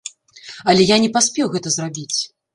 Але я не паспеў гэта зрабіць.